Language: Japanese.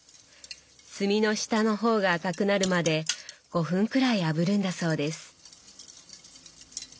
炭の下の方が赤くなるまで５分くらいあぶるんだそうです。